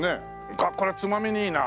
あっこれつまみにいいなあ。